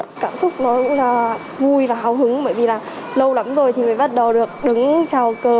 cảm xúc nó cũng là vui và hào hứng bởi vì là lâu lắm rồi thì mới bắt đầu được đứng chào cờ